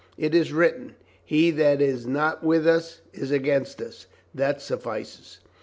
It is written : 'He that is not with us, is against us.' That suffices."